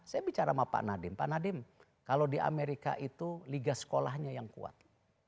saya bicara sama pak nadiem pak nadiem kalau di amerika itu liga sekolahnya yang kuat